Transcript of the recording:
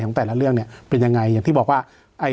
ของแต่ละเรื่องเนี่ยเป็นยังไงอย่างที่บอกว่า